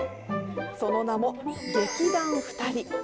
その名も劇団ふたり。